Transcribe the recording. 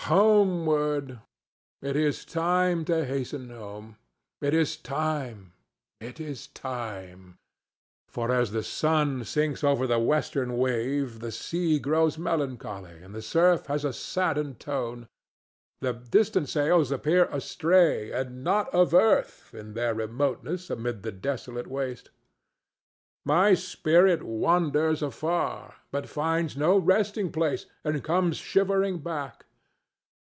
homeward! It is time to hasten home. It is time—it is time; for as the sun sinks over the western wave the sea grows melancholy and the surf has a saddened tone. The distant sails appear astray and not of earth in their remoteness amid the desolate waste. My spirit wanders forth afar, but finds no resting place and comes shivering back.